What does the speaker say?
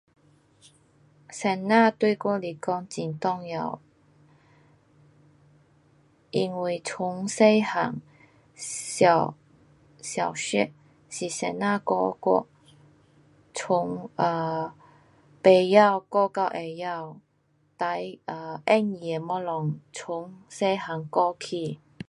先生对我来讲很重要。因为从小汉，小，小学是先生教我，从啊，甭晓教到会晓，最容易的东西从小汉教起。